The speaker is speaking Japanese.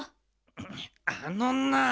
あのなあ！